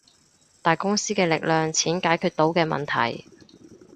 大公司嘅力量，錢解決到嘅問題